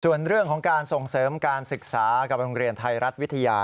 ส่วนเรื่องของการส่งเสริมการศึกษากับโรงเรียนไทยรัฐวิทยา